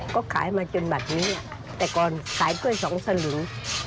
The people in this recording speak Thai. ก็ขายมาจนแบบนี้แต่ก่อนขายเก้าให้๒สลุ้น